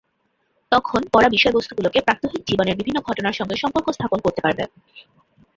তখন পড়া বিষয়বস্তুগুলোকে প্রাত্যহিক জীবনের বিভিন্ন ঘটনার সঙ্গে সম্পর্ক স্থাপন করতে পারবে।